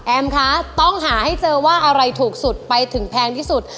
คะต้องหาให้เจอว่าอะไรถูกสุดไปถึงแพงที่สุด